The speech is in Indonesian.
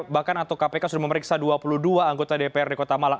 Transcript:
bahkan atau kpk sudah memeriksa dua puluh dua anggota dprd kota malang